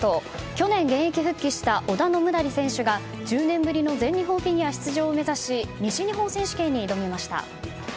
去年、現役復帰した織田信成選手が１０年ぶりの全日本フィギュア出場を目指し西日本選手権に挑みました。